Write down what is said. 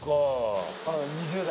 ２０代！